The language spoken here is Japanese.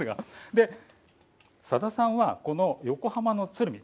さださんは横浜の鶴見